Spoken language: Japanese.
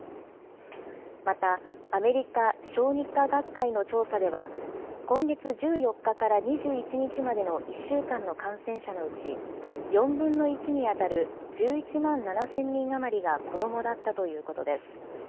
また、アメリカ小児科学会の調査では、今月１４日から２１日までの１週間の感染者のうち、４分の１に当たる１１万７０００人余りが子どもだったということです。